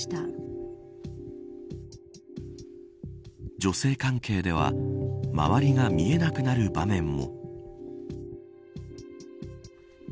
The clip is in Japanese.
女性関係では周りが見えなくなる場面も。